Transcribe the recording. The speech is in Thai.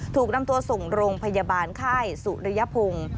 ถูกนำตัวส่งโรงพยาบาลค่ายสุริยพงศ์